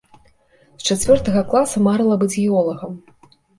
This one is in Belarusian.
З чацвёртага класа марыла быць геолагам.